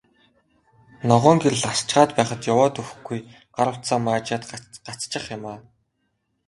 Ногоон гэрэл асчхаад байхад яваад өгөхгүй, гар утсаа маажаад гацчих юм аа.